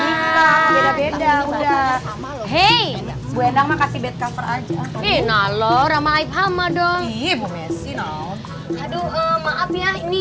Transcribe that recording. udah beda udah hei gue nama kasih betta peran jenal oramaipama dong ibu mesin oh aduh maaf ya ini